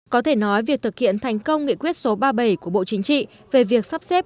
có thể nói việc thực hiện thành công nghị quyết số ba mươi bảy của bộ chính trị về việc sắp xếp